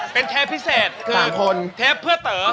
เป็นเทปพิเศษเทปเพื่อเถอะ